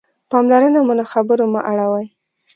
پاملرنه مو له خبرو مه اړوئ.